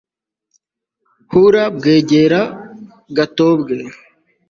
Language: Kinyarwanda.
hura, bwegera, gatobwe